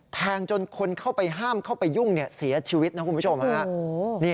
แทงจนคนเข้าไปห้ามเข้าไปยุ่งเสียชีวิตนะคุณผู้ชมฮะ